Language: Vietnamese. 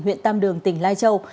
huyện tam đường tỉnh lai châu